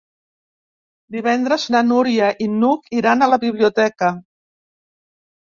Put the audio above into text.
Divendres na Núria i n'Hug iran a la biblioteca.